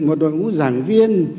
một đội ngũ giảng viên